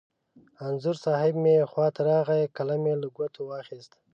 انځور صاحب مې خوا ته راغی، قلم یې له ګوتو واخست.